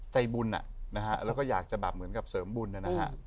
ใจบุญนะฮะแล้วก็อยากจะแบบเหมือนกับเสริมบุญนะฮะ